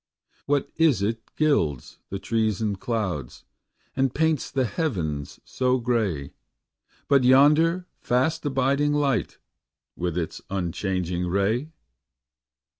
What is it gilds the trees and clouds, And paints the heavens so gay, But yonder fast abiding light With its unchanging ray?